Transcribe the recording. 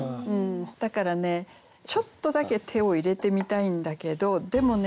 だからねちょっとだけ手を入れてみたいんだけどでもね